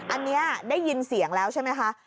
อันนี้ได้ยินเสียงแล้วใช่ไหมคะ